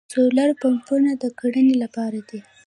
سولر پمپونه د کرنې لپاره دي.